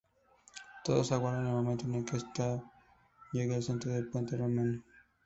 Todos aguardan el momento en el que esta llegue al centro del puente romano.